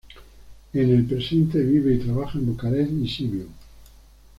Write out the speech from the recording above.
En el presente vive y trabaja en Bucarest y Sibiu.